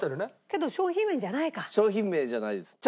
けど商品名じゃないか。